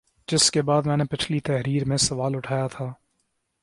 جس کے بعد میں نے پچھلی تحریر میں سوال اٹھایا تھا